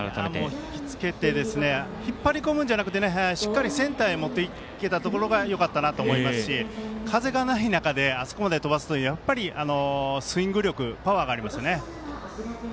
引きつけて引っ張り込むんじゃなくてしっかりセンターへ持っていけたところがよかったなと思いますし風がない中で、あそこまで飛ばすっていうのはスイング力パワーがありますよね。